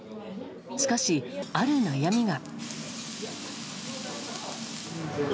しかし、ある悩みが。